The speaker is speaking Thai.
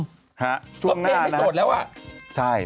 เพราะเพลงไม่โสดแล้วอะช่วงหน้านะ